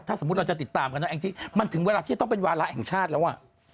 ถ้าสมมุติเราจะติดตามกันนะแองจี้มันถึงเวลาที่จะต้องเป็นวาระแห่งชาติแล้วอ่ะ